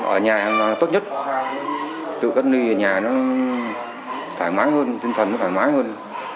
ở nhà tốt nhất tự cách ly ở nhà nó thoải mái hơn tinh thần nó thoải mái hơn